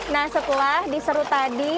nah setelah diserut tadi